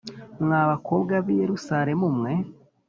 Mwa bakobwa b i Yerusalemu mwe